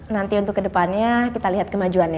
nanti untuk kedepannya kita lihat kemajuan ya